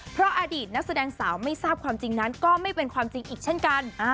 เพราะอดีตนักแสดงสาวไม่ทราบความจริงนั้นก็ไม่เป็นความจริงอีกเช่นกัน